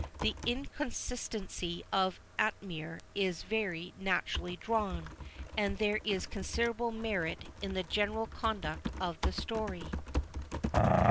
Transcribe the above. The inconstancy of Atimir is very naturally drawn; and there is considerable merit in the general conduct of the story.